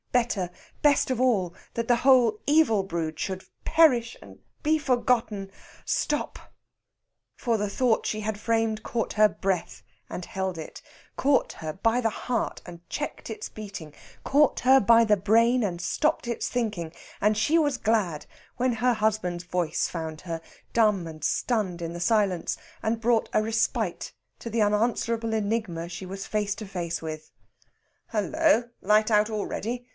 Better, best of all that the whole evil brood should perish and be forgotten.... Stop! For the thought she had framed caught her breath and held it, caught her by the heart and checked its beating, caught her by the brain and stopped its thinking; and she was glad when her husband's voice found her, dumb and stunned in the silence, and brought a respite to the unanswerable enigma she was face to face with. "Hullo! light out already?